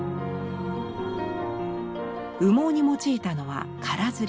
羽毛に用いたのは「空摺」。